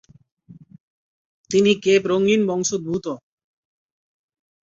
তিনি কেপ রঙিন বংশোদ্ভূত।।